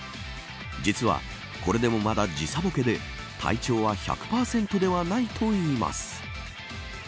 実はこれでも、まだ時差ぼけで体調は１００％ではないといいます。